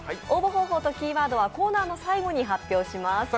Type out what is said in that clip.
応募方法とキーワードはコーナーの最後に発表します。